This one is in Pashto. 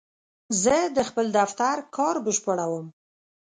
زه د خپل دفتر کار بشپړوم.